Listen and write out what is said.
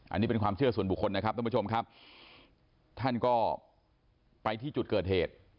อันนี้เป็นความเชื่อส่วนบุคคลนะครับท่านผู้ชมครับท่านก็ไปที่จุดเกิดเหตุ